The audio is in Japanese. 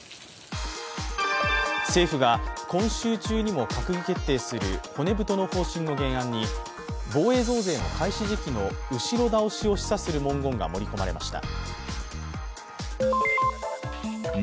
政府が今週中にも閣議決定する骨太の方針の原案に防衛増税の開始時期の後ろ倒しを示唆する文言が盛り込まれました。